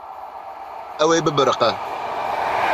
Ew ê bibiriqe.